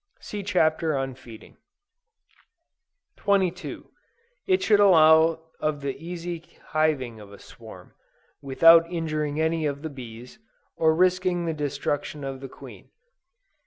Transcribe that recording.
(See Chapter on Feeding.) 22. It should allow of the easy hiving of a swarm, without injuring any of the bees, or risking the destruction of the queen.